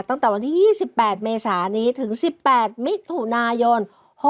ตั้งแต่วันที่๒๘เมษานี้ถึง๑๘มิถุนายน๖๖